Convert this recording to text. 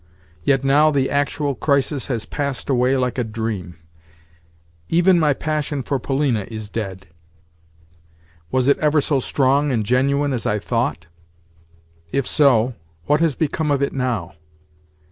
Yet now the actual crisis has passed away like a dream. Even my passion for Polina is dead. Was it ever so strong and genuine as I thought? If so, what has become of it now?